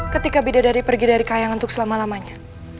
ketika bidadari pergi dari kayangan untuk selama lamanya